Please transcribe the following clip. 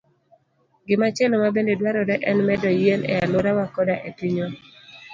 Gimachielo mabende dwarore en medo yien e alworawa koda e pinywa.